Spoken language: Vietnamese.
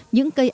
những cây atm